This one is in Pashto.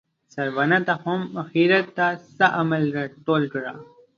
څاروانه ته هم اخیرت ته څه عمل راټول کړه